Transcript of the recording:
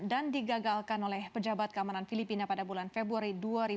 dan digagalkan oleh pejabat keamanan filipina pada bulan februari dua ribu delapan